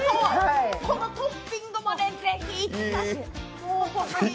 このトッピングもぜひいきたい。